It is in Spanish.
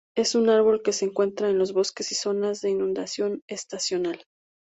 Es un árbol que se encuentra en los bosques y zonas de inundación estacional.